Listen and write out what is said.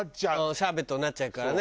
シャーベットになっちゃうからね。